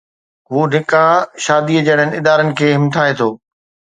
هو نڪاح شادي جهڙن ادارن کي همٿائي ٿو.